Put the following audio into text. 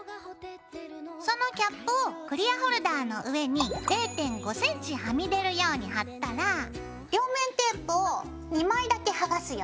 そのキャップをクリアホルダーの上に０．５ｃｍはみ出るように貼ったら両面テープを２枚だけはがすよ。